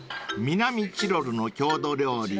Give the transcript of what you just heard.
［南チロルの郷土料理